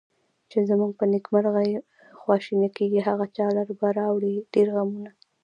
چې زمونږ په نیکمرغي خواشیني کیږي، هغه چا لره به راوړي ډېر غمونه